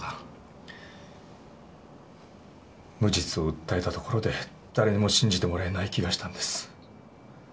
無実を訴えたところで誰にも信じてもらえない気がしたんです。